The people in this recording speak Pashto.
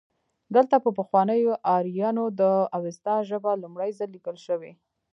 دلته د پخوانیو آرینو د اوستا ژبه لومړی ځل لیکل شوې